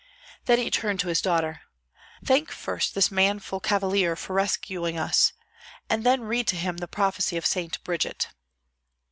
Then he turned to his daughter: "Thank first this manful cavalier for rescuing us, and then read to him the prophecy of Saint Bridget."